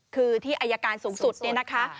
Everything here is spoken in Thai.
คือที่อายการสูงสุดเนี่ยนะคะ